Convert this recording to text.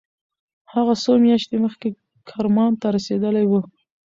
هغه څو میاشتې مخکې کرمان ته رسېدلی و.